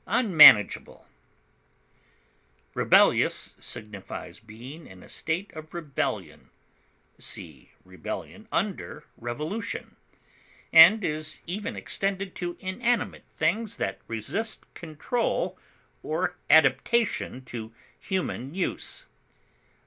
intractable, Rebellious signifies being in a state of rebellion (see REBELLION under REVOLUTION), and is even extended to inanimate things that resist control or adaptation to human use.